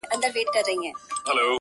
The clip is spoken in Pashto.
مرغۍ الوتې وه، خالي قفس ته ودرېدم .